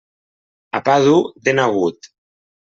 A pa dur, dent agut.